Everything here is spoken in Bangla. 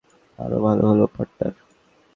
আরও ভালো হলো, পার্টনার।